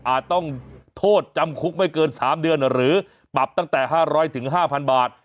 ต้องโทษจำคุกไม่เกิน๓เดือนหรือปรับตั้งแต่๕๐๐๕๐๐บาท